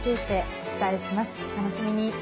お楽しみに。